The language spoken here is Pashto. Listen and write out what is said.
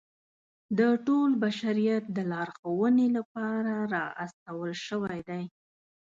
د ټول بشریت د لارښودنې لپاره را استول شوی دی.